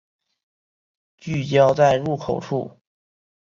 聚集在入口处